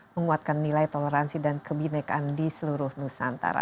menguatkan nilai toleransi dan kebinekaan di seluruh nusantara